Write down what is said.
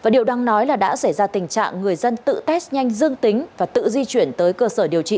điều đang nói là đã xảy ra tình trạng người dân tự test nhanh dương tính và tự di chuyển tới cơ sở điều trị